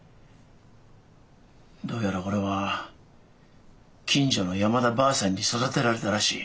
どうやら俺は近所の山田ばあさんに育てられたらしい。